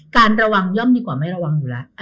การระวังย่อมดีกว่าไม่ระวังอยู่แล้ว